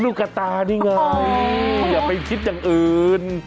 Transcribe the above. ลูกกระตานี่ไงอย่าไปคิดอย่างอื่น